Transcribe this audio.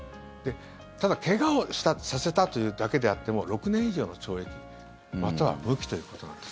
ただ怪我をさせたというだけであっても６年以上の懲役または無期ということなんです。